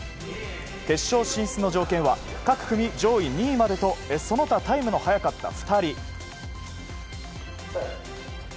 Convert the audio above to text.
決勝進出の条件は各組２位までとその他タイムの速かった２人。